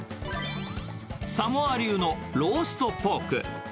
サモア流のローストポーク。